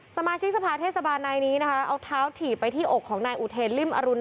สมาชิกสภาเทศบาลนายนี้นะคะเอาเท้าถีบไปที่อกของนายอุเทนริ่มอรุณ